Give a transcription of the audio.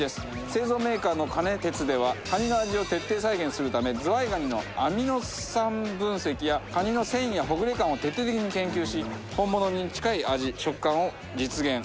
製造メーカーのカネテツではカニの味を徹底再現するためズワイガニのアミノ酸分析やカニの繊維やほぐれ感を徹底的に研究し本物に近い味食感を実現。